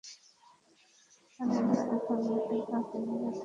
আরে না, ওখানে একা কীভাবে থাকবে।